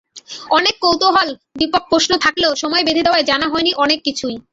অনেক কৌতূহলোদ্দীপক প্রশ্ন থাকলেও সময় বেঁধে দেওয়ায় জানা হয়নি অনেক কিছুই।